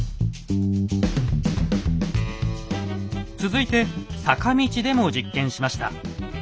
続いて坂道でも実験しました。